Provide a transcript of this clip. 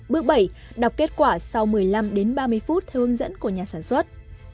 bước bảy đọc kết quả sau một mươi năm đến ba mươi phút theo hướng dẫn của nhà sản xuất